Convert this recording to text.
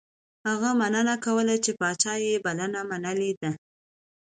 هغه مننه کوله چې پاچا یې بلنه منلې ده.